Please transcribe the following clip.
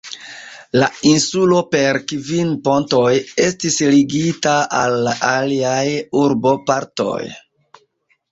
La insulo per kvin pontoj estis ligita al la aliaj urbopartoj.